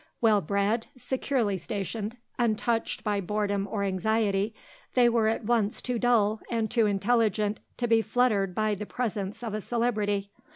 Well bred, securely stationed, untouched by boredom or anxiety, they were at once too dull and too intelligent to be fluttered by the presence of a celebrity.